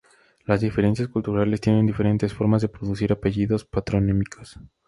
Las diferentes culturas tienen diferentes formas de producir apellidos patronímicos.